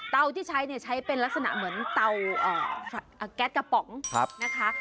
ที่ใช้เนี่ยใช้เป็นลักษณะเหมือนเตาแก๊สกระป๋องนะคะ